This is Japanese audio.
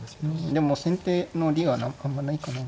でも先手の利はあんまないかな。